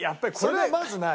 それはまずない。